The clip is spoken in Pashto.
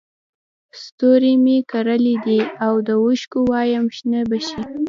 ستوري مې کرلي دي د اوښکو وایم شنه به شي